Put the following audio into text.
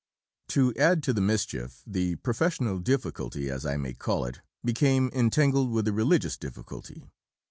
To add to the mischief, the professional difficulty (as I may call it) became entangled with the religious difficulty.